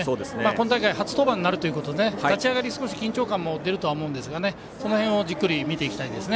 今大会初登板になるということで立ち上がり、少し緊張感出ると思うんですがその辺をじっくり見ていきたいです。